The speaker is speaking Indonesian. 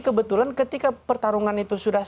kebetulan ketika pertarungan itu sudah